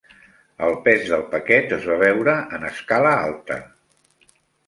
El pes del paquet es va veure en escala alta.